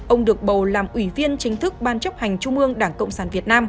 ông được bầu làm ủy viên chính thức ban chấp hành trung ương đảng cộng sản việt nam